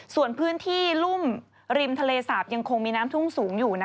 ส่วนพื้นที่รุ่มริมทะเลสาปยังคงมีน้ำทุ่งสูงอยู่